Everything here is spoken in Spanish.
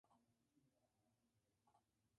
Traduce al castellano y gallego.